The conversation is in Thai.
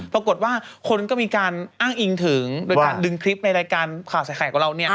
ปรากฏว่าคนก็มีการอ้างอิงถึงโดยการดึงคลิปในรายการข่าวใส่ไข่ของเราเนี่ย